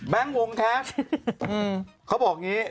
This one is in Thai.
แบงค์วงแคล็ชเค้าบอกอย่างนี้